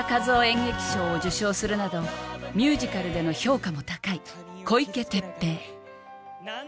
演劇賞を受賞するなどミュージカルでの評価も高い小池徹平あ